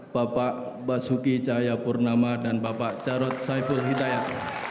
bapak basuki cahayapurnama dan bapak jarod saiful hidayat